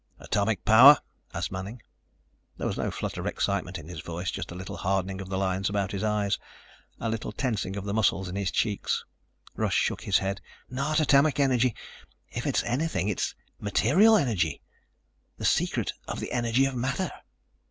"Atomic power?" asked Manning. There was no flutter of excitement in his voice, just a little hardening of the lines about his eyes, a little tensing of the muscles in his cheeks. Russ shook his head. "Not atomic energy. If it's anything, it's material energy, the secret of the energy of matter."